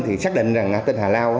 thì xác định là tên hà lao